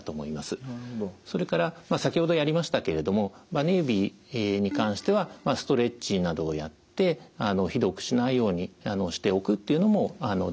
それから先ほどやりましたけれどもばね指に関してはストレッチなどをやってひどくしないようにしておくっていうのも大事だと思います。